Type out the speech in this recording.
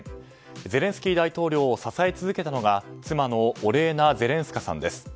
ゼレンスキー大統領を支え続けたのが妻のオレーナ・ゼレンスカさんです。